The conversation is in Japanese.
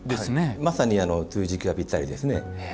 まさに梅雨時期はぴったりですね。